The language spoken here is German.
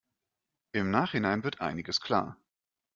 Im Nachhinein wird einiges klar.